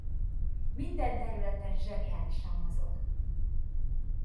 Minden területen zseniálisan mozog.